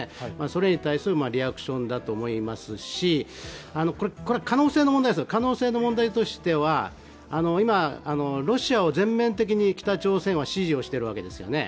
それに対するリアクションだと思いますし、可能性の問題としては、今、ロシアを全面的に北朝鮮は支持しているわけですよね。